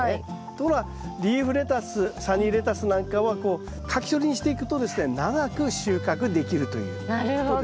ところがリーフレタスサニーレタスなんかはこうかき取りにしていくとですね長く収穫できるということですね。